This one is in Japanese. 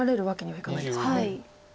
はい。